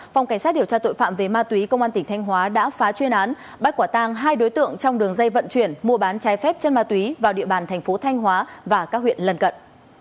phòng cảnh sát điều tra tội phạm về ma túy công an tỉnh thanh hóa đã phá chuyên án bắt quả tang hai đối tượng trong đường dây vận chuyển mua bán trái phép chân ma túy vào địa bàn thành phố thanh hóa và các huyện lần cận